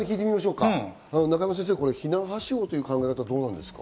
永山先生、避難はしごという考えはどうですか？